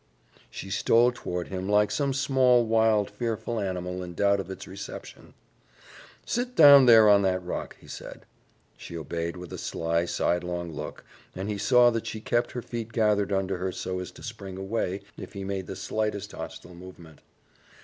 She stole toward him like some small, wild, fearful animal in doubt of its reception. "Sit down there on that rock," he said. She obeyed with a sly, sidelong look, and he saw that she kept her feet gathered under her so as to spring away if he made the slightest hostile movement.